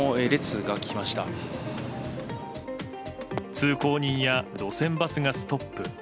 通行人や路線バスがストップ。